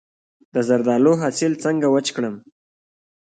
د زردالو حاصل څنګه وچ کړم؟